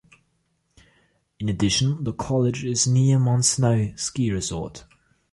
In addition, the College is near Mount Snow ski resort.